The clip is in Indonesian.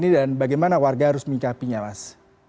dan bagaimana warga harus mingkapinya mas